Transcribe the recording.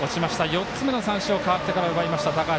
４つ目の三振を代わってから奪いました高橋。